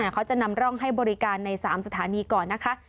เขาจะนำร่องให้บริการใน๓สถานีก่อนนะคะ